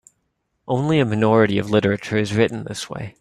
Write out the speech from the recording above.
Only a minority of literature is written this way.